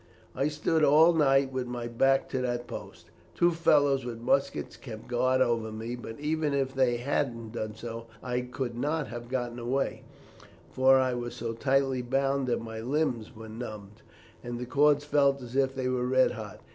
"I stood all night with my back to that post. Two fellows with muskets kept guard over me, but even if they hadn't done so I could not have got away, for I was so tightly bound that my limbs were numbed, and the cords felt as if they were red hot.